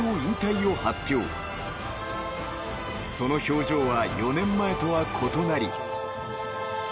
［その表情は４年前とは異なり］